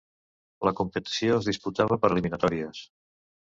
La competició es disputava per eliminatòries.